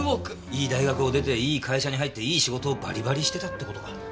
いい大学を出ていい会社に入っていい仕事をバリバリしてたって事か。